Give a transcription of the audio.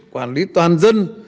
quản lý toàn dân